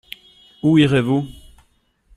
Où irez-vous ?